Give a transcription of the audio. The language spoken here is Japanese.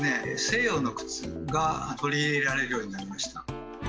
西洋の靴が取り入れられるようになりました。